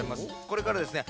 これからですね